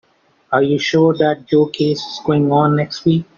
Are you sure that Joe case is going on next week?